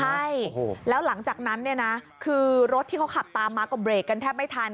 ใช่แล้วหลังจากนั้นเนี่ยนะคือรถที่เขาขับตามมาก็เบรกกันแทบไม่ทัน